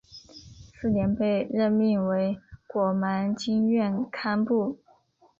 次年被任命为果芒经院堪布。